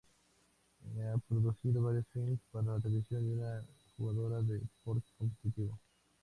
Ha producido varios filmes para televisión y es una jugadora de póquer competitivo.